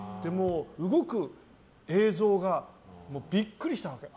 動く映像がビックリしたわけ。